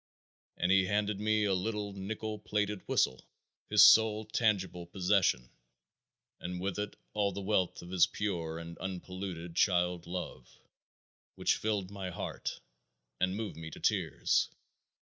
And he handed me a little nickle plated whistle, his sole tangible possession, and with it all the wealth of his pure and unpolluted child love, which filled my heart and moved me to tears.